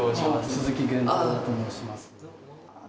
鈴木源太郎と申します。